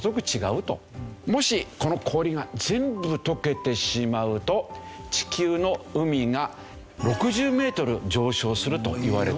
もしこの氷が全部溶けてしまうと地球の海が６０メートル上昇するといわれて。